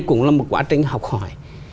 cũng là một quá trình học hỏi